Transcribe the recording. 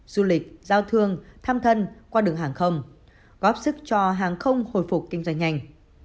du lịch giao thương thăm thân qua đường hàng không góp sức cho hàng không hồi phục kinh doanh nhanh